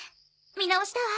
見直したわ！